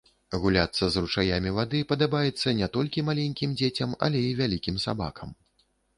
Гуляцца з ручаямі вады падабаецца не толькі маленькім дзецям, але і вялікім сабакам.